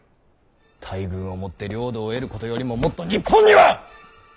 大軍をもって領土を得ることよりももっと日本には！